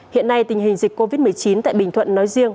hiện nay tình hình dịch covid một mươi chín tại bình thuận nói riêng